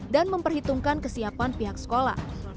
dan memperhitungkan kegiatan belajar di sekolah